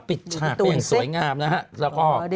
ฉากไปอย่างสวยงามนะฮะแล้วก็